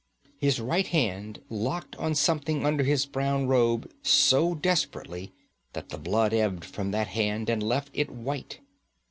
His right hand locked on something under his brown robe so desperately that the blood ebbed from that hand and left it white.